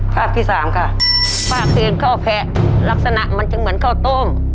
ภาพที่สามค่ะป้าปีนข้าวแพะลักษณะมันจึงเหมือนข้าวต้ม